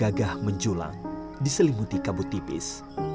gagah menjulang diselimuti kabut tipis